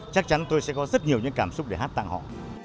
chắc chắn tôi sẽ có rất nhiều những cảm xúc để hát tặng họ